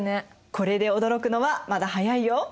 これで驚くのはまだ早いよ。